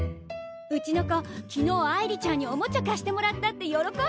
うちの子昨日愛梨ちゃんにオモチャ貸してもらったって喜んでました。